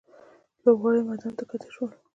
لوبغاړي میدان ته ښکته شول.